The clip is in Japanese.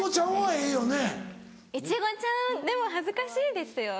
いちごちゃんでも恥ずかしいですよ。